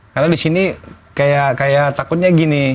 karena disini kayak takutnya gini